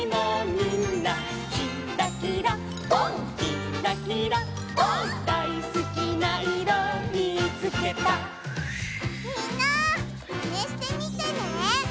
みんなマネしてみてね！